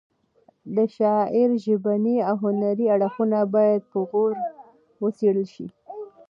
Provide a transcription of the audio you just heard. د شاعر ژبني او هنري اړخونه باید په غور وڅېړل شي.